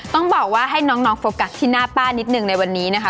ต้องบอกว่าให้น้องโฟกัสที่หน้าป้านิดหนึ่งในวันนี้นะคะ